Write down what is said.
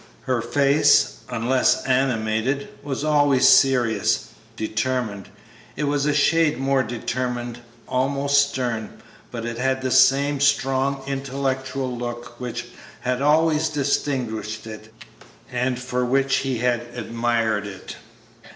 Her face, unless animated, was always serious, determined; it was a shade more determined, almost stern, but it had the same strong, intellectual look which had always distinguished it and for which he had admired it.